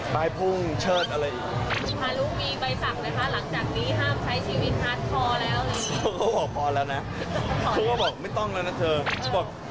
ไม้พุ่งเหรอครับช็อตอะไรอีก